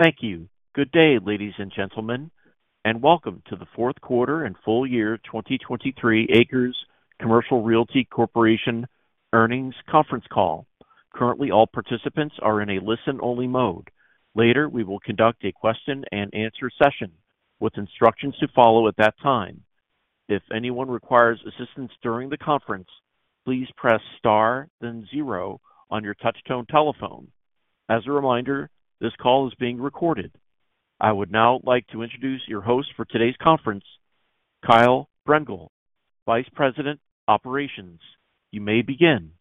Thank you. Good day, ladies and gentlemen, and welcome to the fourth quarter and full year 2023 ACRES Commercial Realty Corporation earnings conference call. Currently, all participants are in a listen-only mode. Later, we will conduct a question-and-answer session with instructions to follow at that time. If anyone requires assistance during the conference, please press star then zero on your touch-tone telephone. As a reminder, this call is being recorded. I would now like to introduce your host for today's conference, Kyle Brengel, Vice President Operations. You may begin.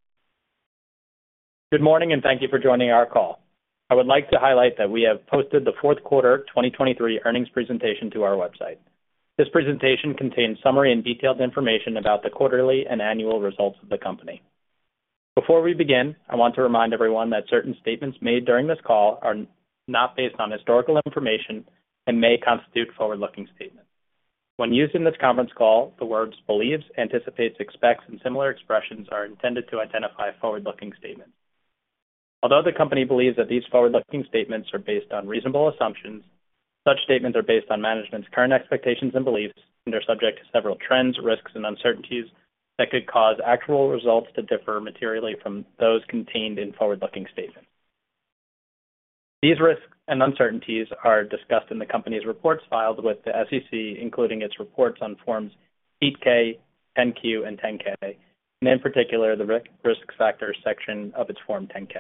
Good morning, and thank you for joining our call. I would like to highlight that we have posted the fourth quarter 2023 earnings presentation to our website. This presentation contains summary and detailed information about the quarterly and annual results of the company. Before we begin, I want to remind everyone that certain statements made during this call are not based on historical information and may constitute forward-looking statements. When used in this conference call, the words "believes," "anticipates," "expects," and similar expressions are intended to identify forward-looking statements. Although the company believes that these forward-looking statements are based on reasonable assumptions, such statements are based on management's current expectations and beliefs and are subject to several trends, risks, and uncertainties that could cause actual results to differ materially from those contained in forward-looking statements. These risks and uncertainties are discussed in the company's reports filed with the SEC, including its reports on Forms 8-K, 10-Q, and 10-K, and in particular, the risk factors section of its Form 10-K.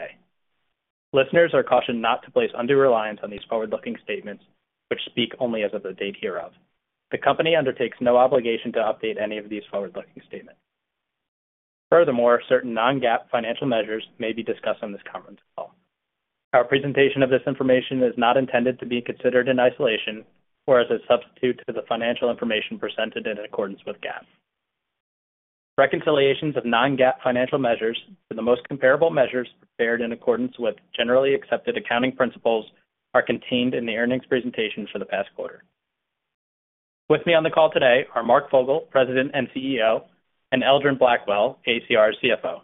Listeners are cautioned not to place undue reliance on these forward-looking statements, which speak only as of the date hereof. The company undertakes no obligation to update any of these forward-looking statements. Furthermore, certain non-GAAP financial measures may be discussed on this conference call. Our presentation of this information is not intended to be considered in isolation, nor as a substitute to the financial information presented in accordance with GAAP. Reconciliations of non-GAAP financial measures to the most comparable measures prepared in accordance with generally accepted accounting principles are contained in the earnings presentation for the past quarter. With me on the call today are Mark Fogel, President and CEO, and Eldron Blackwell, ACR's CFO.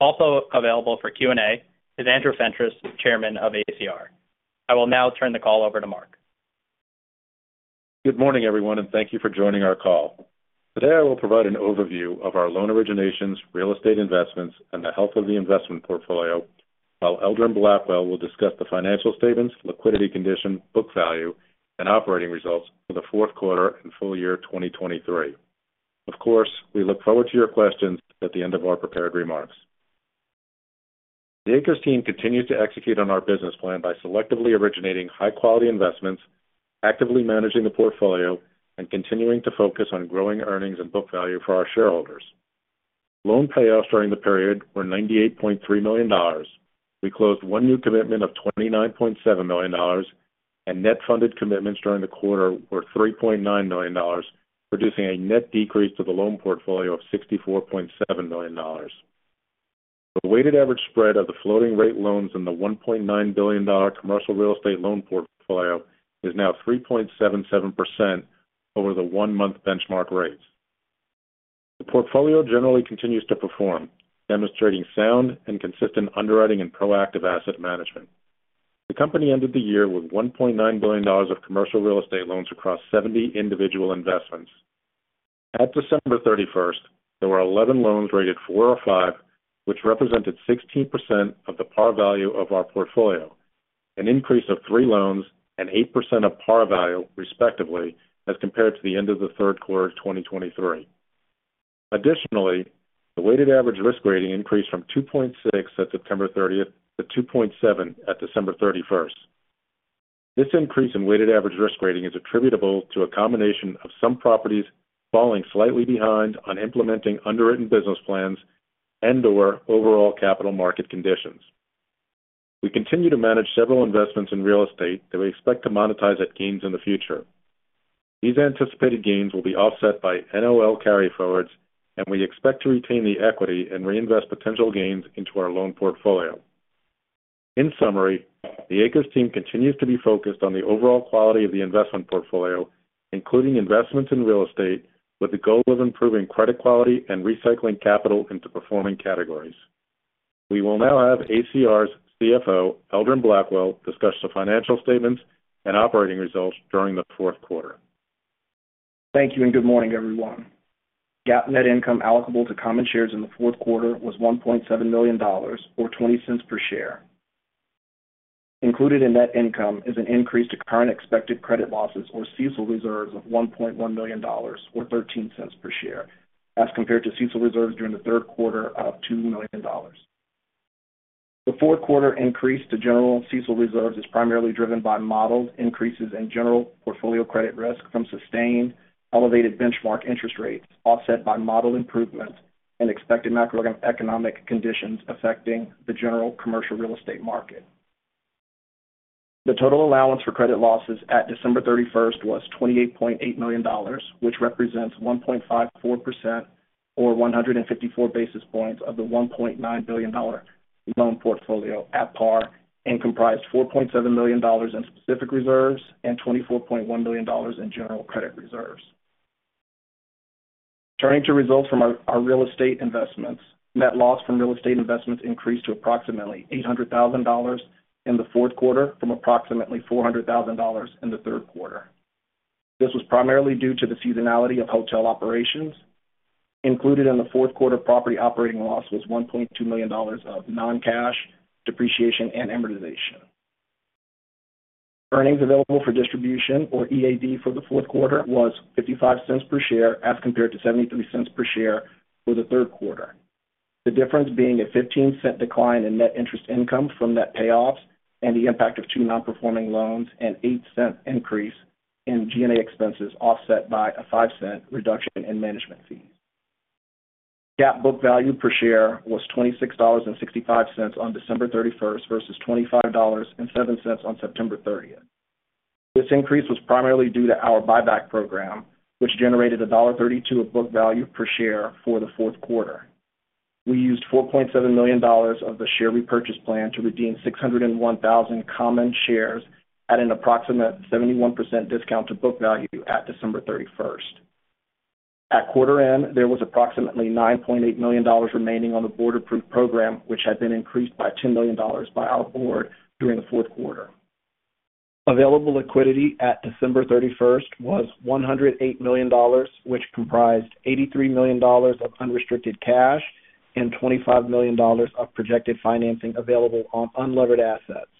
Also available for Q&A is Andrew Fentress, Chairman of ACR. I will now turn the call over to Mark. Good morning, everyone, and thank you for joining our call. Today, I will provide an overview of our loan originations, real estate investments, and the health of the investment portfolio, while Eldron Blackwell will discuss the financial statements, liquidity condition, book value, and operating results for the fourth quarter and full year 2023. Of course, we look forward to your questions at the end of our prepared remarks. The ACRES team continues to execute on our business plan by selectively originating high-quality investments, actively managing the portfolio, and continuing to focus on growing earnings and book value for our shareholders. Loan payoffs during the period were $98.3 million. We closed one new commitment of $29.7 million, and net funded commitments during the quarter were $3.9 million, producing a net decrease to the loan portfolio of $64.7 million. The weighted average spread of the floating rate loans in the $1.9 billion commercial real estate loan portfolio is now 3.77% over the one-month benchmark rates. The portfolio generally continues to perform, demonstrating sound and consistent underwriting and proactive asset management. The company ended the year with $1.9 billion of commercial real estate loans across 70 individual investments. At December 31st, there were 11 loans rated four or five, which represented 16% of the par value of our portfolio, an increase of three loans and 8% of par value, respectively, as compared to the end of the third quarter of 2023. Additionally, the weighted average risk rating increased from 2.6 at September 30th to 2.7 at December 31st. This increase in weighted average risk rating is attributable to a combination of some properties falling slightly behind on implementing underwritten business plans and/or overall capital market conditions. We continue to manage several investments in real estate that we expect to monetize at gains in the future. These anticipated gains will be offset by NOL carryforwards, and we expect to retain the equity and reinvest potential gains into our loan portfolio. In summary, the ACRES team continues to be focused on the overall quality of the investment portfolio, including investments in real estate, with the goal of improving credit quality and recycling capital into performing categories. We will now have ACR's CFO, Eldron Blackwell, discuss the financial statements and operating results during the fourth quarter. Thank you, and good morning, everyone. GAAP net income allocable to common shares in the fourth quarter was $1.7 million or $0.20 per share. Included in net income is an increase to current expected credit losses or CECL reserves of $1.1 million or $0.13 per share, as compared to CECL reserves during the third quarter of $2 million. The fourth quarter increase to general CECL reserves is primarily driven by modeled increases in general portfolio credit risk from sustained elevated benchmark interest rates offset by model improvements and expected macroeconomic conditions affecting the general commercial real estate market. The total allowance for credit losses at December 31st was $28.8 million, which represents 1.54% or 154 basis points of the $1.9 billion loan portfolio at par and comprised $4.7 million in specific reserves and $24.1 million in general credit reserves. Turning to results from our real estate investments, net loss from real estate investments increased to approximately $800,000 in the fourth quarter from approximately $400,000 in the third quarter. This was primarily due to the seasonality of hotel operations. Included in the fourth quarter property operating loss was $1.2 million of non-cash depreciation and amortization. Earnings available for distribution or EAD for the fourth quarter was $0.55 per share as compared to $0.73 per share for the third quarter, the difference being a $0.15 decline in net interest income from net payoffs and the impact of two non-performing loans and a $0.08 increase in G&A expenses offset by a $0.05 reduction in management fees. GAAP book value per share was $26.65 on December 31st versus $25.07 on September 30th. This increase was primarily due to our buyback program, which generated $1.32 of book value per share for the fourth quarter. We used $4.7 million of the share repurchase plan to redeem 601,000 common shares at an approximate 71% discount to book value at December 31st. At quarter end, there was approximately $9.8 million remaining on the board-approved program, which had been increased by $10 million by our board during the fourth quarter. Available liquidity at December 31st was $108 million, which comprised $83 million of unrestricted cash and $25 million of projected financing available on unlevered assets.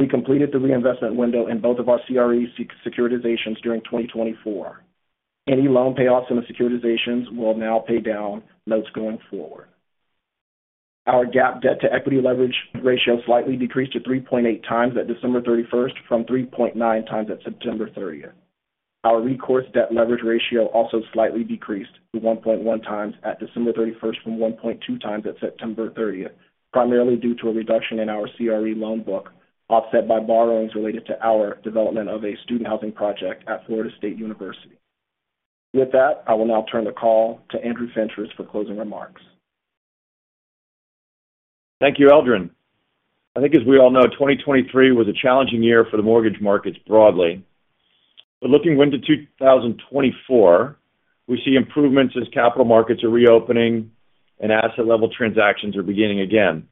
We completed the reinvestment window in both of our CRE securitizations during 2024. Any loan payoffs in the securitizations will now pay down notes going forward. Our GAAP debt-to-equity leverage ratio slightly decreased to 3.8 times at December 31st from 3.9x at September 30th. Our recourse debt leverage ratio also slightly decreased to 1.1x at December 31st from 1.2x at September 30th, primarily due to a reduction in our CRE loan book offset by borrowings related to our development of a student housing project at Florida State University. With that, I will now turn the call to Andrew Fentress for closing remarks. Thank you, Eldron. I think, as we all know, 2023 was a challenging year for the mortgage markets broadly. But looking into 2024, we see improvements as capital markets are reopening and asset-level transactions are beginning again.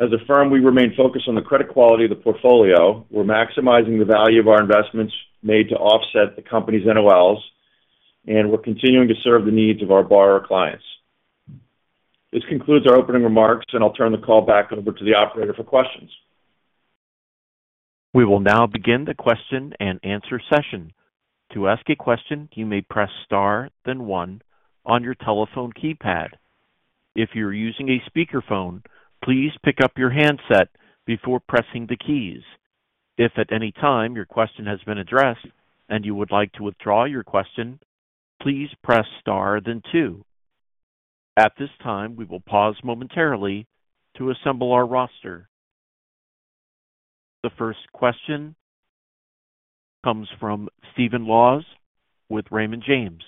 As a firm, we remain focused on the credit quality of the portfolio. We're maximizing the value of our investments made to offset the company's NOLs, and we're continuing to serve the needs of our borrower clients. This concludes our opening remarks, and I'll turn the call back over to the operator for questions. We will now begin the question-and-answer session. To ask a question, you may press star then one on your telephone keypad. If you're using a speakerphone, please pick up your handset before pressing the keys. If at any time your question has been addressed and you would like to withdraw your question, please press star then two. At this time, we will pause momentarily to assemble our roster. The first question comes from Stephen Laws with Raymond James.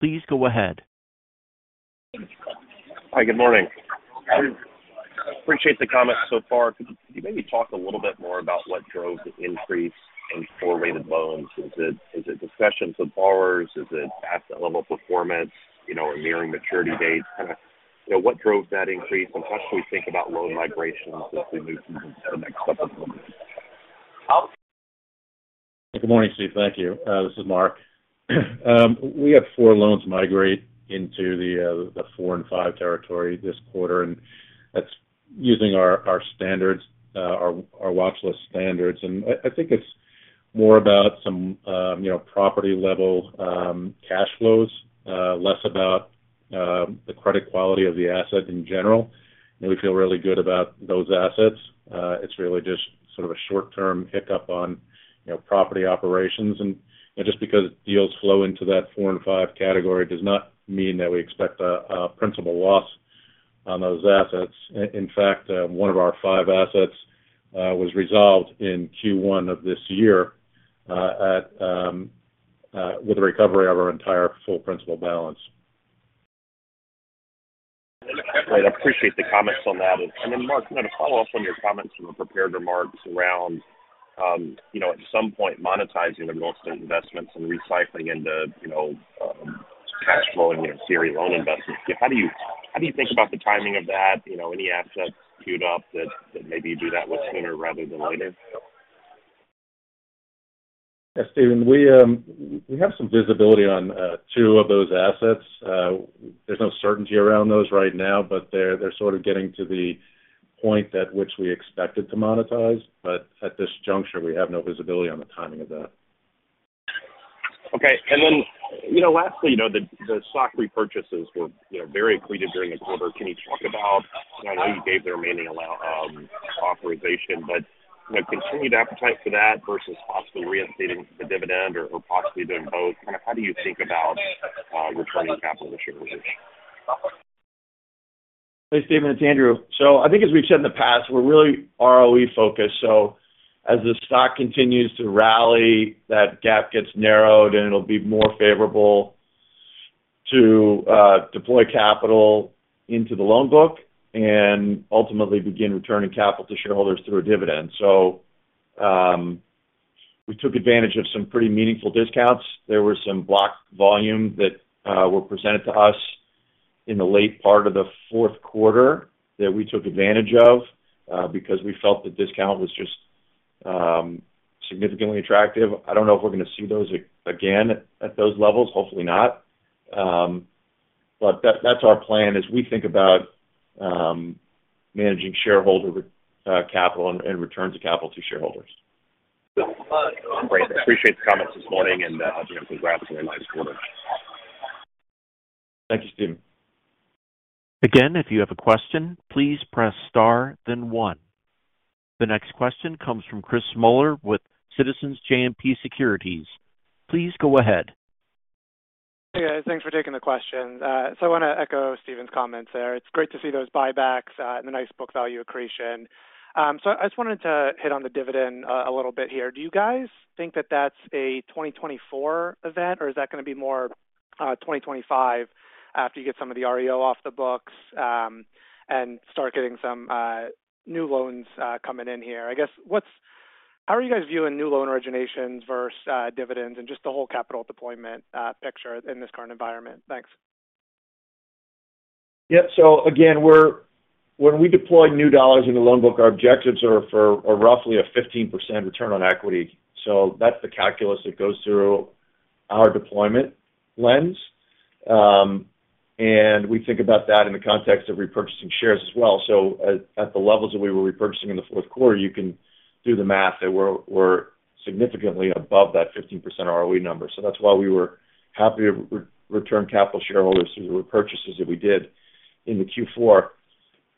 Please go ahead. Hi. Good morning. Appreciate the comments so far. Could you maybe talk a little bit more about what drove the increase in forward-rated loans? Is it discussions with borrowers? Is it asset-level performance or nearing maturity dates? Kind of what drove that increase, and how should we think about loan migrations as we move into the next step of the program? Good morning, Steve. Thank you. This is Mark. We have four loans migrate into the four and five territory this quarter, and that's using our watchlist standards. I think it's more about some property-level cash flows, less about the credit quality of the asset in general. We feel really good about those assets. It's really just sort of a short-term hiccup on property operations. Just because deals flow into that four and five category does not mean that we expect a principal loss on those assets. In fact, one of our five assets was resolved in Q1 of this year with a recovery of our entire full principal balance. Great. I appreciate the comments on that. And then, Mark, to follow up on your comments from the prepared remarks around, at some point, monetizing the real estate investments and recycling into cash flowing senior loan investments, how do you think about the timing of that? Any assets queued up that maybe you do that with sooner rather than later? Yeah, Stephen. We have some visibility on two of those assets. There's no certainty around those right now, but they're sort of getting to the point at which we expected to monetize. But at this juncture, we have no visibility on the timing of that. Okay. And then lastly, the stock repurchases were very accretive during the quarter. Can you talk about, I know you gave the remaining authorization, but continued appetite for that versus possibly reinstating the dividend or possibly doing both? Kind of, how do you think about returning capital to shareholders? Hey, Stephen. It's Andrew. So I think, as we've said in the past, we're really ROE-focused. So as the stock continues to rally, that gap gets narrowed, and it'll be more favorable to deploy capital into the loan book and ultimately begin returning capital to shareholders through a dividend. So we took advantage of some pretty meaningful discounts. There were some block volume that were presented to us in the late part of the fourth quarter that we took advantage of because we felt the discount was just significantly attractive. I don't know if we're going to see those again at those levels. Hopefully, not. But that's our plan, as we think about managing shareholder capital and returns of capital to shareholders. Great. Appreciate the comments this morning, and congrats on your nice quarter. Thank you, Stephen. Again, if you have a question, please press star then one. The next question comes from Chris Muller with Citizens JMP Securities. Please go ahead. Hey, guys. Thanks for taking the question. So I want to echo Stephen's comments there. It's great to see those buybacks and the nice book value accretion. So I just wanted to hit on the dividend a little bit here. Do you guys think that that's a 2024 event, or is that going to be more 2025 after you get some of the REO off the books and start getting some new loans coming in here? I guess, how are you guys viewing new loan originations versus dividends and just the whole capital deployment picture in this current environment? Thanks. Yeah. So again, when we deploy new dollars into the loan book, our objectives are roughly a 15% return on equity. So that's the calculus that goes through our deployment lens. And we think about that in the context of repurchasing shares as well. So at the levels that we were repurchasing in the fourth quarter, you can do the math that we're significantly above that 15% ROE number. So that's why we were happy to return capital to shareholders through the repurchases that we did in the Q4.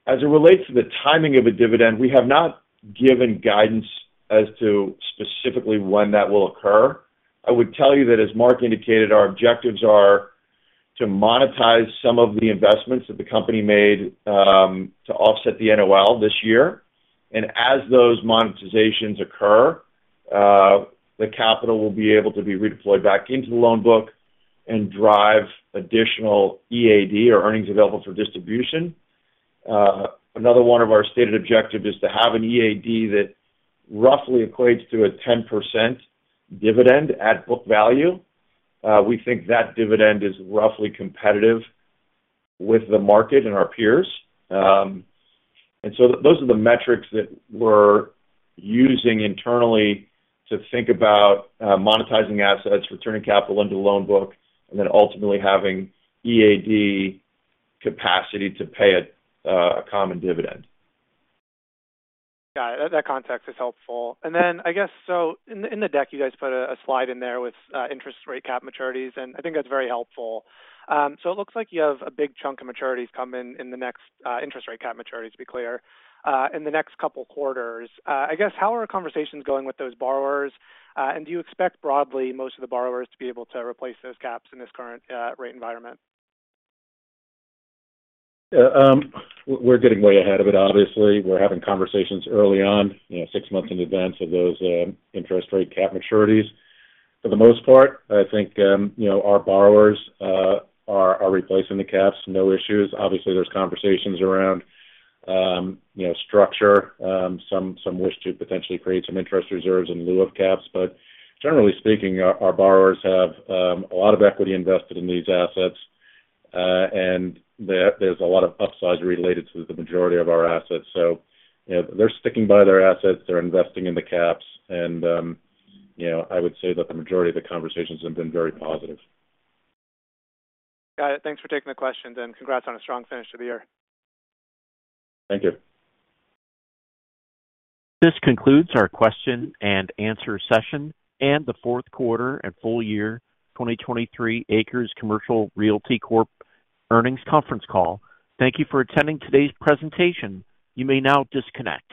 As it relates to the timing of a dividend, we have not given guidance as to specifically when that will occur. I would tell you that, as Mark indicated, our objectives are to monetize some of the investments that the company made to offset the NOL this year. As those monetizations occur, the capital will be able to be redeployed back into the loan book and drive additional EAD or earnings available for distribution. Another one of our stated objectives is to have an EAD that roughly equates to a 10% dividend at book value. We think that dividend is roughly competitive with the market and our peers. And so those are the metrics that we're using internally to think about monetizing assets, returning capital into the loan book, and then ultimately having EAD capacity to pay a common dividend. Got it. That context is helpful. And then I guess, so in the deck, you guys put a slide in there with interest rate cap maturities, and I think that's very helpful. So it looks like you have a big chunk of maturities come in in the next interest rate cap maturities, to be clear, in the next couple of quarters. I guess, how are conversations going with those borrowers? And do you expect, broadly, most of the borrowers to be able to replace those caps in this current rate environment? Yeah. We're getting way ahead of it, obviously. We're having conversations early on, six months in advance of those interest rate cap maturities. For the most part, I think our borrowers are replacing the caps. No issues. Obviously, there's conversations around structure, some wish to potentially create some interest reserves in lieu of caps. But generally speaking, our borrowers have a lot of equity invested in these assets, and there's a lot of upside related to the majority of our assets. So they're sticking by their assets. They're investing in the caps. And I would say that the majority of the conversations have been very positive. Got it. Thanks for taking the questions, and congrats on a strong finish to the year. Thank you. This concludes our question-and-answer session and the fourth quarter and full year 2023 ACRES Commercial Realty Corp Earnings Conference Call. Thank you for attending today's presentation. You may now disconnect.